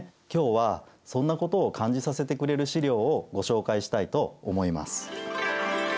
今日はそんなことを感じさせてくれる資料をご紹介したいと思います。